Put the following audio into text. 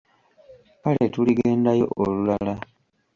Kale tuligendayo olulala.